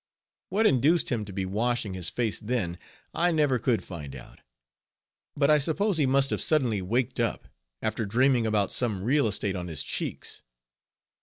What induced him to be washing his face then, I never could find out; but I suppose he must have suddenly waked up, after dreaming about some real estate on his cheeks.